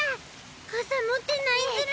傘持ってないズラ！